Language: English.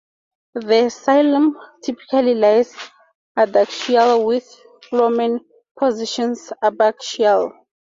The xylem typically lies adaxial with phloem positioned abaxial.